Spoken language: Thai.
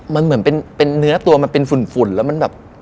มันเหมือนเป็นเนื้อตัวมันเป็นฝุ่นแล้วมันแบบ